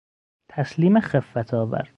تسلیم خفتآور